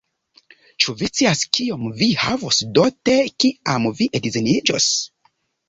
Ĉu vi scias kiom vi havos dote, kiam vi edziniĝos?